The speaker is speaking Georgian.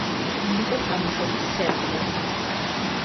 ნიკო წარმოშობით სერბია.